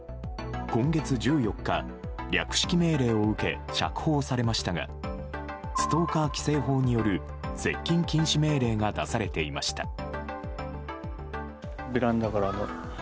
今月１４日、略式命令を受け釈放されましたがストーカー規制法による接近禁止命令が出されていました。